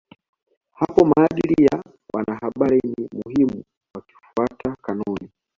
Hapo maadili ya wanahabari ni muhimu wakifuata kanuni